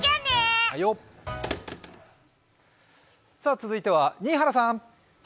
続いては新原さん。